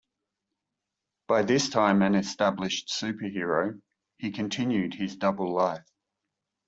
By this time an established superhero, he continued his double life.